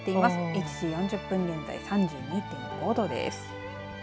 １時４０分現在３２．５度です。